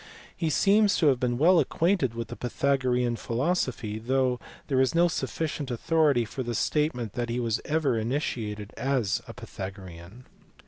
He seems to have been well acquainted with the Pythagorean philosophy, though there is no sufficient authority for the statement that he was ever initiated as a Pythagorean.